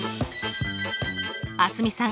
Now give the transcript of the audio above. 蒼澄さん